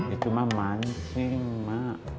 itu mah mancing mak